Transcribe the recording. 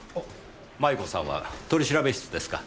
繭子さんは取調室ですか？